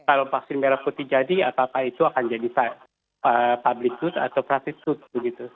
kalau vaksin merah putih jadi apakah itu akan jadi public good atau private good begitu